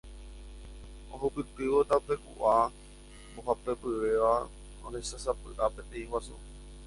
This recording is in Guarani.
Ohupytývo tapeku'a mbohapyvéva ohechásapy'a peteĩ guasu.